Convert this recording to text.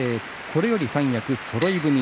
これより三役そろい踏み